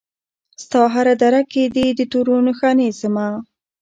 ستا هره دره کې دي د تورو نښانې زما